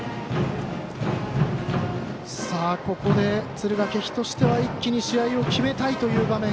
ここで、敦賀気比としては一気に試合を決めたいという場面。